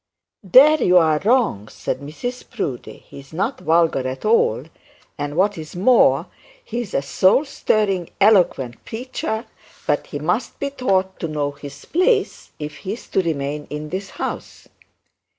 'There you're wrong,' said Mrs Proudie; 'he's not vulgar at all; and what is more, he is a soul stirring, eloquent preacher; but he must be taught to know his place if he is to remain in this house.'